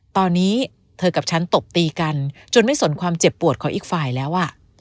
ตอนนี้เธอกับฉันตบตีกันจนไม่สนความเจ็บปวดของอีกฝ่ายแล้ว